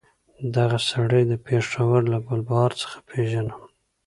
دغه سړی د پېښور له ګلبهار څخه پېژنم.